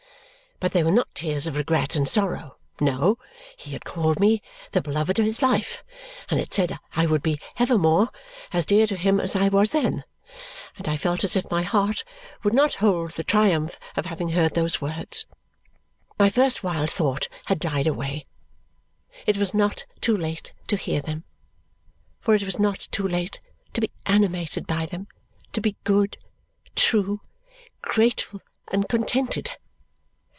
But they were not tears of regret and sorrow. No. He had called me the beloved of his life and had said I would be evermore as dear to him as I was then, and I felt as if my heart would not hold the triumph of having heard those words. My first wild thought had died away. It was not too late to hear them, for it was not too late to be animated by them to be good, true, grateful, and contented.